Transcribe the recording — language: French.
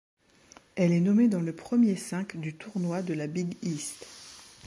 Elle est nommée dans le premier cinq du tournoi de la Big East.